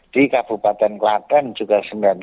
di kabupaten klaten juga sembilan puluh